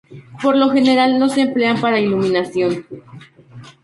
Por lo general no se emplean para iluminación.